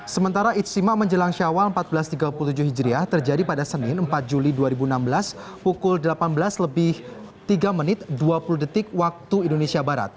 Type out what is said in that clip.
sementara ijtima menjelang syawal seribu empat ratus tiga puluh tujuh hijriah terjadi pada senin empat juli dua ribu enam belas pukul delapan belas tiga dua puluh wib